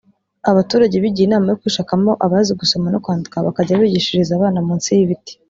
Abaturage bigiriye inama yo kwishakamo abazi gusoma no kwandika bakajya bigishiriza abana munsi y’ibiti